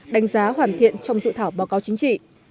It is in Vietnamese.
đánh giá hoàn thiện trong dự thảo báo cáo chính trị